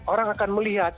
orang akan melihat